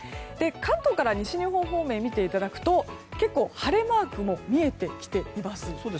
関東から西日本方面を見ていただくと結構、晴れマークも見えてきています。